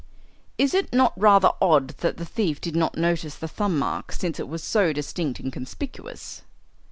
"Is it not rather odd that the thief did not notice the thumb mark, since it was so distinct and conspicuous?"